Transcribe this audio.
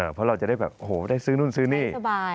เพราะเราจะได้แบบโถโหซื้อนู้นซื้อนี่